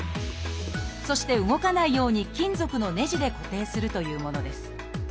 そして動かないように金属のねじで固定するというものです。